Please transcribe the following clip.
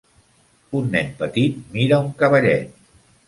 Un nen petit mira un cavallet.